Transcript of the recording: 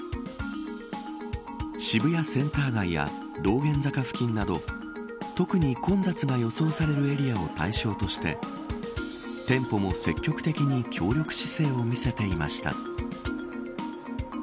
渋谷センター街や道玄坂付近など特に混雑が予想されるエリアを対象として店舗も積極的に協力姿勢を見せていました。